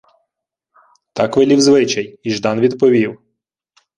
Так велів звичай, і Ждан відповів: